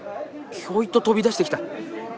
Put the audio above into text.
ひょいと飛び出してきた。